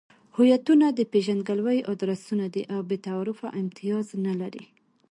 هویتونه د پېژندګلوۍ ادرسونه دي او بې تعارفه امتیاز نلري.